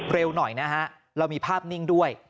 เร็วหน่อยนะฮะเรามีภาพนิ่งด้วย